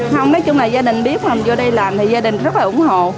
không nói chung là gia đình biết mình vô đây làm thì gia đình rất là ủng hộ